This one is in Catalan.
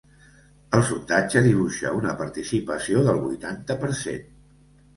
El sondatge dibuixa una participació del vuitanta per cent.